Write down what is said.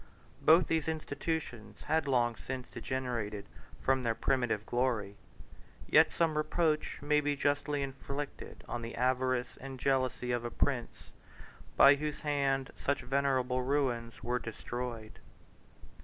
Both these institutions had long since degenerated from their primitive glory; yet some reproach may be justly inflicted on the avarice and jealousy of a prince, by whose hand such venerable ruins were destroyed.